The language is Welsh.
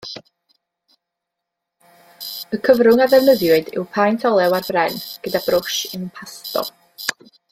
Y cyfrwng a ddefnyddiwyd yw paent olew ar bren, gyda brwsh impasto.